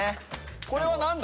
これは何だっけ？